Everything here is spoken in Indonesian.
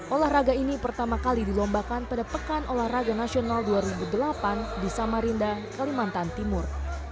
olahraga ini pertama kali dilombakan pada pekan olahraga nasional dua ribu delapan di samarinda kalimantan timur